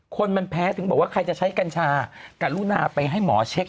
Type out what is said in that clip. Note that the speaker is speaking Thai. คนมันแพ้ถึงบอกว่าใครจะใช้กัญชาการุณาไปให้หมอเช็ค